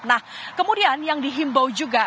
nah kemudian yang dihimbau juga